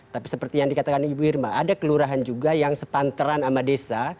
tapi seperti yang dikatakan ibu irma ada kelurahan juga yang sepanteran sama desa